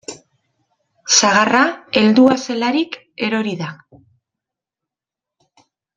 Sagarra heldua zelarik erori da.